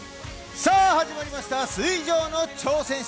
さぁ、始まりました「水上の挑戦者」。